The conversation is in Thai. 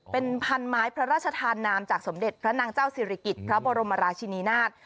เป็นพันไม้พระราชธานามจากสมเด็จพระนางเจ้าศิริกิจพระบรมราชินีนาฏ